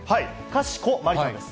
かしこまりさんです。